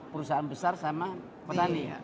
perusahaan besar sama petani